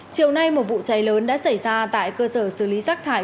chiều nay một vụ cháy lớn đã xảy ra tại cơ sở xử lý rác thải